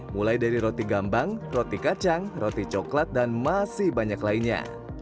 mulai dari roti gambang roti kacang roti coklat dan masih banyak lainnya